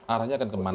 arahnya akan kemana